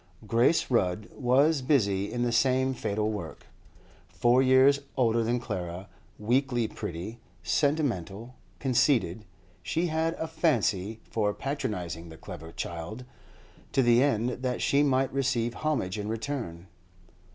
Grace Rudd was busy in the same fatal work. Four years older than Clara, weakly pretty, sentimental, conceited, she had a fancy for patronising the clever child, to the end that she might receive homage in return.